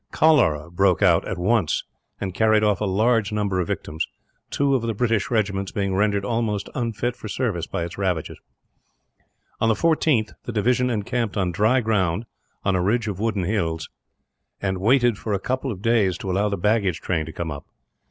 Cholera broke out at once, and carried off a large number of victims two of the British regiments being rendered almost unfit for service by its ravages. On the 14th the division encamped on dry ground, on a ridge of wooded hills, and waited for a couple of days to allow the baggage train to come up.